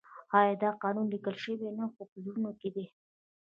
آیا دا قانون لیکل شوی نه دی خو په زړونو کې دی؟